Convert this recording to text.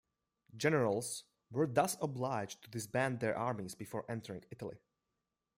Generals were thus obliged to disband their armies before entering Italy.